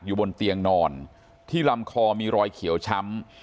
บนเตียงนอนที่ลำคอมีรอยเขียวช้ำ